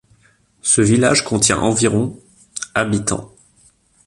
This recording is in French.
Ce village contient environ habitants.